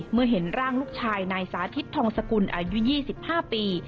เมื่อเห็นร่างลูกชายนายสาธิตทองสกุลอายุ๒๕ปี